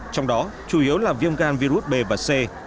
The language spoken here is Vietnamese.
trong đó chủ yếu là viêm gan virus b và c